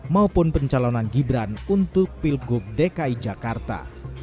maupun pencalonan gibran untuk pilgub dki jakarta